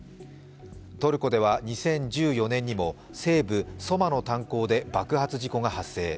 トルコでは２０１４年にも西部ソマの炭鉱で爆発事故が発生。